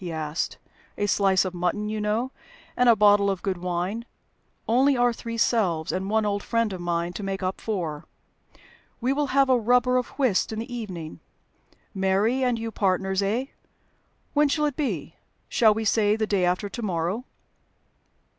he asked. "A slice of mutton, you know, and a bottle of good wine. Only our three selves, and one old friend of mine to make up four. We will have a rubber of whist in the evening. Mary and you partners eh? When shall it be? Shall we say the day after to morrow?"